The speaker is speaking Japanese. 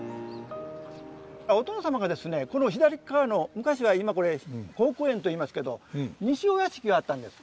お殿様がですねこの左っかわの昔は今これ好古園と言いますけど西御屋敷があったんです。